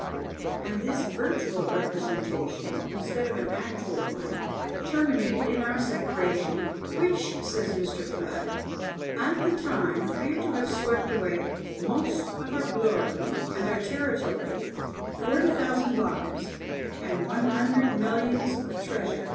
and this virtual representation, instead of an actual one, terminated in our separation; "which," says Mr. Flood, "at the time appeared to have swept away most of our glory and our territory; forty thousand lives, and one hundred millions of treasure!"